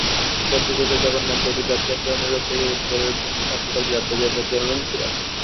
বৌদ্ধযুগেও জগন্নাথদেবের রথযাত্রার অনুরূপ রথে বুদ্ধদেবের মূর্তি স্থাপন করে রথযাত্রার প্রচলন ছিল।